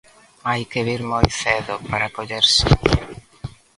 Hai que vir moi cedo, para coller sitio.